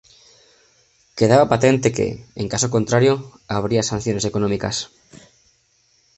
Quedaba patente que, en caso contrario, habría sanciones económicas.